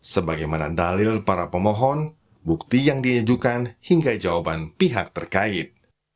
sebagaimana dalil para pemohon bukti yang diajukan hingga jawaban pihak terkait